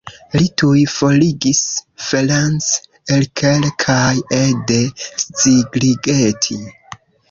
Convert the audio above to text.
Li tuj forigis Ferenc Erkel kaj Ede Szigligeti.